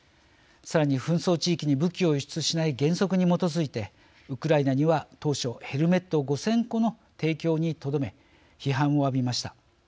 さらに紛争地域に武器を輸出しない原則に基づいてウクライナには当初ヘルメット５０００個の提供にとどめ批判をあびました。